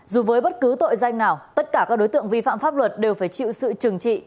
dù với bất cứ tội danh nào tất cả các đối tượng vi phạm pháp luật đều phải chịu sự trừng trị